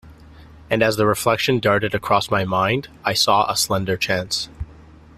And as the reflection darted across my mind I saw a slender chance.